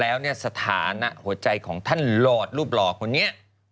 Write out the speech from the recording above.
แล้วเนี่ยสถานะหัวใจของท่านหลอดรูปหล่อคนนี้